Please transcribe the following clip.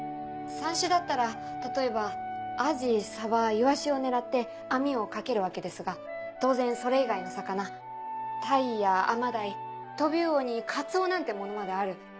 さんしだったら例えばアジサバイワシを狙って網を掛けるわけですが当然それ以外の魚タイやアマダイトビウオにカツオなんてものまである。